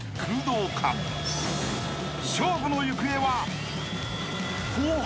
［勝負の行方は？］